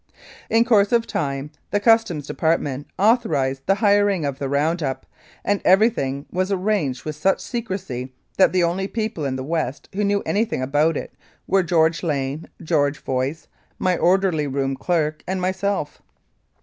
In course of time the Customs Department author ised the hiring of the round up, and everything was arranged with such secrecy that the only people in the West who knew anything about it were George Lane, George Voice, my orderly room clerk and myself.